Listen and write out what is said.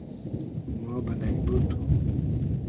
ما بئلݷ بور تو